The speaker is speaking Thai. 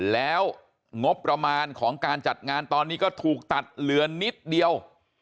แล้วงบประมาณของการจัดงานตอนนี้ก็ถูกตัดเหลือนิดเดียว